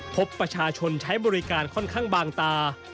พบประชาชนใช้บริการค่อนข้างบางตา